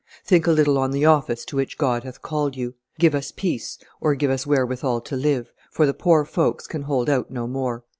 Think a little on the office to which God hath called you. Give us peace or give us wherewithal to live, for the poor folks can hold out no more."